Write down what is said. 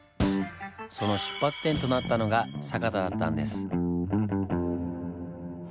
その出発点となったのが酒田だったんです。